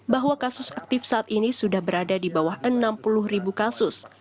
bahwa kasus aktif saat ini sudah berada di bawah enam puluh ribu kasus